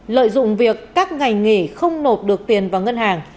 lợi dụng việc các ngày nghỉ không nộp được tiền vào ngân hàng